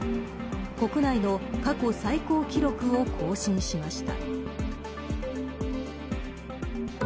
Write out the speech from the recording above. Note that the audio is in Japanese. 国内の過去最高記録を更新しました。